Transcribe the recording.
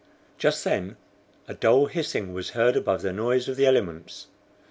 Just then, a dull hissing was heard above the noise of the elements.